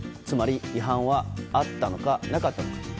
つまり、違反はあったのかなかったのか。